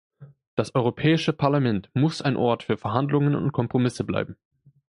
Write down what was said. Das Europäische Parlament muss ein Ort für Verhandlungen und Kompromisse bleiben.